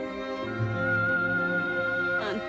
あんた。